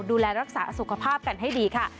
ดูแลรักษาสุขภาพกันให้ดีค่ะ